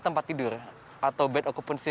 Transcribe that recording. tempat tidur atau bad occupancy